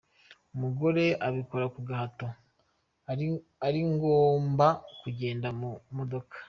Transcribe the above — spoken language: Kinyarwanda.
Umugore abikora ku gahato ati ngomba kugenda mu modoka.